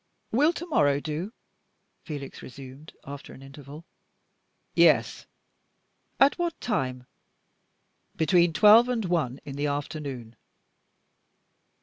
"Will to morrow do?" Felix resumed, after an interval. "Yes." "At what time?" "Between twelve and one in the afternoon."